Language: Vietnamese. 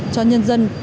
cho nhân dân